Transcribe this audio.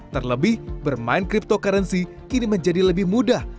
terlebih bermain cryptocurrency kini menjadi lebih mudah